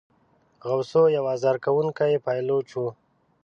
غوثو یو آزار کوونکی پایلوچ وو.